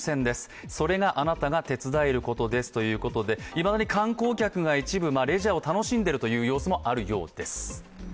いまだに観光客が一部レジャーを楽しんでいるという様子もあるようです。